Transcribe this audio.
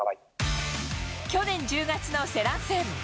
去年１０月のセラン戦。